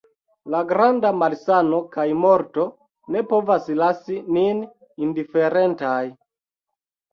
La granda malsano kaj morto ne povas lasi nin indiferentaj.